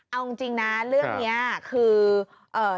เอาจริงนะเรื่องนี้คือเอ่อ